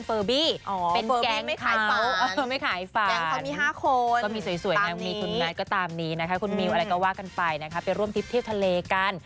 อ๋อเฟอร์บี้ไม่ขายฟานแกงเขามี๕คนตามนี้คุณมิวอะไรก็ว่ากันไปนะครับไปร่วมทริปที่ทะเลกัน